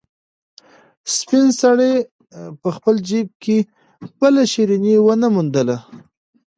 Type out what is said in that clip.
سپین سرې په خپل جېب کې بله شيرني ونه موندله.